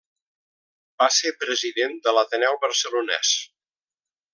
Va ser president de l'Ateneu Barcelonès.